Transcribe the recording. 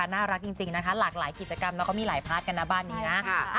น่ารักจริงนะคะหลากหลายกิจกรรมแล้วก็มีหลายพาร์ทกันนะบ้านนี้นะ